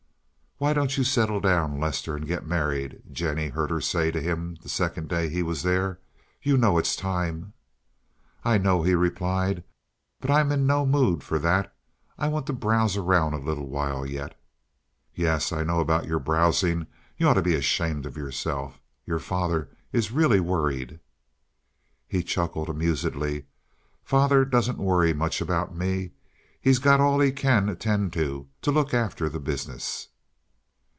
"Why don't you settle down, Lester, and get married?" Jennie heard her say to him the second day he was there. "You know it's time." "I know," he replied, "but I'm in no mood for that. I want to browse around a little while yet." "Yes, I know about your browsing. You ought to be ashamed of yourself. Your father is really worried." He chuckled amusedly. "Father doesn't worry much about me. He has got all he can attend to to look after the business."